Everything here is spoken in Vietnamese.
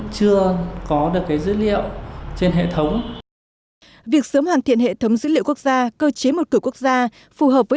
trong hệ thống việc sớm hoàn thiện hệ thống dữ liệu quốc gia cơ chế một cửa quốc gia phù hợp với